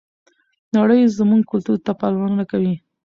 نړۍ زموږ کلتور ته پاملرنه کوي.